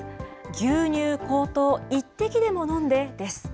牛乳高騰、一滴でも飲んで！です。